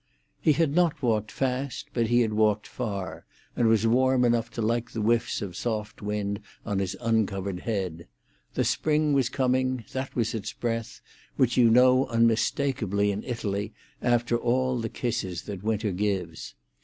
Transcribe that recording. He had not walked fast, but he had walked far, and was warm enough to like the whiffs of soft wind on his uncovered head. The spring was coming; that was its breath, which you know unmistakably in Italy after all the kisses that winter gives.